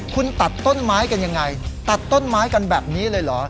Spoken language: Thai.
คุณตัดต้นไม้กันยังไงตัดต้นไม้กันแบบนี้เลยเหรอ